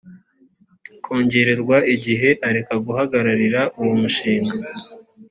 kongererwa igihe areka guhagararira uwo mushinga